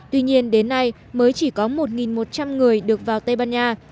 tuy nhiên đến nay mới chỉ có một một trăm linh người được vào tây ban nha